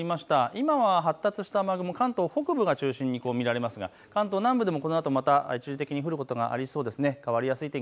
今は発達した雨雲、関東北部を中心に見られますが、関東南部でもこのあと一時的に降ることがありそうです。